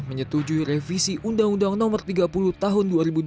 menyetujui revisi undang undang no tiga puluh tahun dua ribu dua